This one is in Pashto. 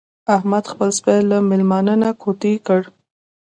احمد خپل سپی له مېلمانه نه کوتې کړ.